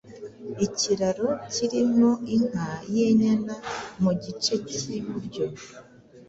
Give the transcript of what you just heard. ikiraro kirimo inka y’inyana, mu gice cy’iburyo,